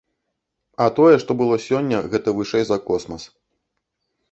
А тое, што было сёння, гэта вышэй за космас.